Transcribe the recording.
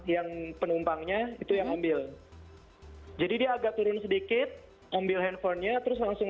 yang penumpangnya itu yang ambil jadi dia agak turun sedikit ambil handphonenya terus langsung